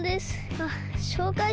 あっしょうかいします。